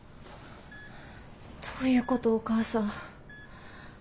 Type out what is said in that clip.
どういうことお母さん。